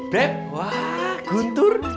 beb wah gutur